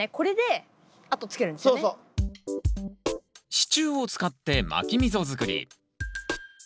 支柱を使ってまき溝作り。